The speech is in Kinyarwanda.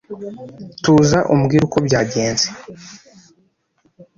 Tuza umbwire uko byagenze.